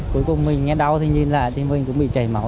cuối cùng mình nghe đau thì nhìn lại thì mình cũng bị chảy máu